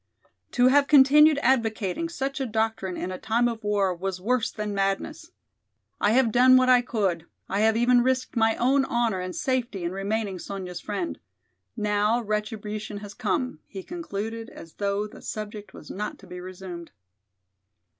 "To have continued advocating such a doctrine in a time of war was worse than madness. I have done what I could, I have even risked my own honor and safety in remaining Sonya's friend. Now retribution has come," he concluded, as though the subject was not to be resumed.